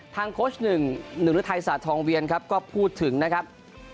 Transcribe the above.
โค้ชหนึ่งหนึ่งฤทัยศาสตทองเวียนครับก็พูดถึงนะครับ